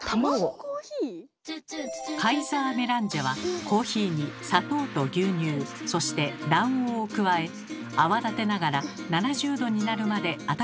カイザーメランジェはコーヒーに砂糖と牛乳そして卵黄を加え泡立てながら７０℃になるまで温めて作ります。